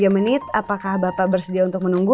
tiga menit apakah bapak bersedia untuk menunggu